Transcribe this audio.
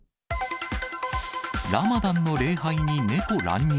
ラマダンの礼拝に猫乱入。